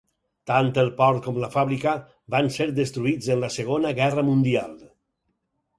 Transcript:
Tant el port com la fàbrica van ser destruïts en la Segona Guerra Mundial.